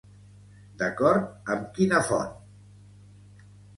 D'acord amb quina font?